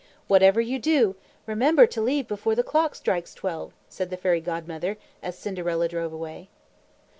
"Whatever you do, remember to leave before the clock strikes twelve," said the Fairy Godmother, as Cinderella drove away.